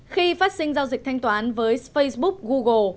khi phát sinh giao dịch thanh toán với facebook google